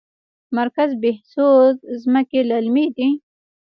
مرکز بهسود ځمکې للمي دي؟